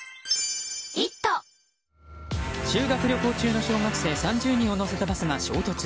修学旅行中の小学生３０人を乗せたバスが衝突。